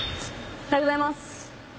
おはようございます。